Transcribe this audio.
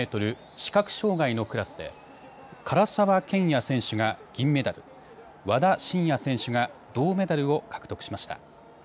視覚障害のクラスで唐澤剣也選手が銀メダル、和田伸也選手が銅メダルを獲得しました。